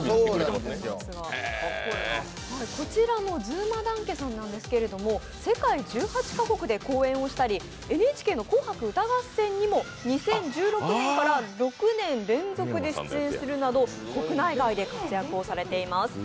こちらのずまだんけさんなんですが、世界１８カ国で公演したりＮＨＫの「紅白歌合戦」にも２０１６年から６年連続で出演するなど国内外で活躍をされています。